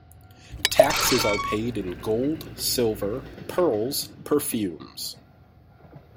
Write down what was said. Taxes are paid in gold, silver, pearls, perfumes.